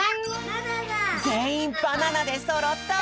ぜんいんバナナでそろった！